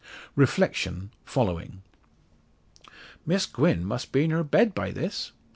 Reflection following: "Miss Gwen must be in her bed by this!